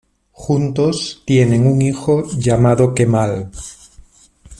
Juntos tienen un hijo llamado Kemal.